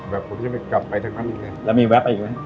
แบบผมยังไม่กลับไปทั้งนั้นอีกเลยแล้วมีแวะไปอีกไหม